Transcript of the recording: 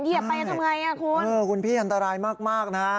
เหยียบไปจะทำยังไงคุณคุณพี่อันตรายมากนะ